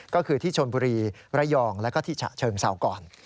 ก็คือที่ชนบุรีระยองแล้วก็ที่ฉะเชิงเศร้าก่อน